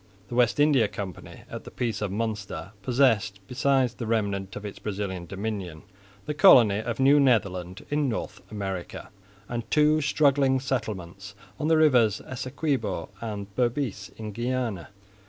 The West India Company at the peace of Münster possessed, besides the remnant of its Brazilian dominion, the colony of New Netherland in North America, and two struggling settlements on the rivers Essequibo and Berbice in Guiana.